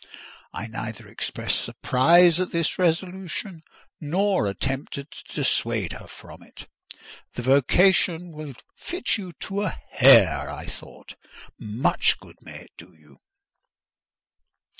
I neither expressed surprise at this resolution nor attempted to dissuade her from it. "The vocation will fit you to a hair," I thought: "much good may it do you!"